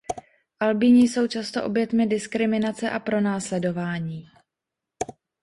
Albíni jsou často oběťmi diskriminace a pronásledování.